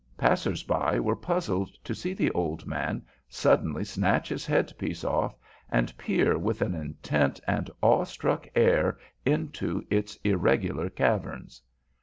Passersby were puzzled to see the old man suddenly snatch his headpiece off and peer with an intent and awestruck air into its irregular caverns.